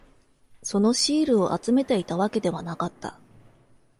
そのシールを集めていたわけではなかった。